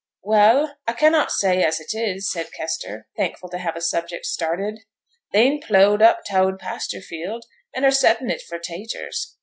'Well, a cannot say as it is,' said Kester, thankful to have a subject started. 'They'n pleughed up t' oud pasture field, and are settin' it for 'taters.